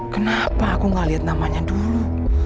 kenapa aku nggak lihat namanya dulu